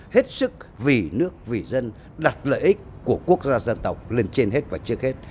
hết sức vì nước vì dân đặt lợi ích của quốc gia dân tộc lên trên hết và trước hết